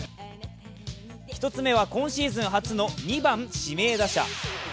１つ目は、今シーズン初の２番・指名打者。